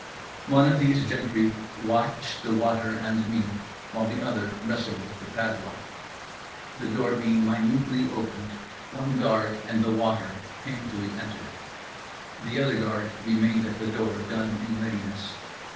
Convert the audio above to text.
One of these gentry watched the water and me, while the other wrestled with the padlock. The door being minutely opened, one guard and the water painfully entered. The other guard remained at the door, gun in readiness.